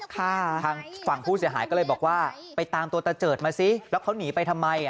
ทางฝั่งผู้เสียหายก็เลยบอกว่าไปตามตัวตะเจิดมาซิแล้วเขาหนีไปทำไม